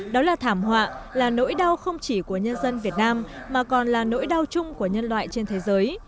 đó là thảm họa là nỗi đau không chỉ của nhân dân việt nam mà còn là nỗi đau chung của nhân loại trên thế giới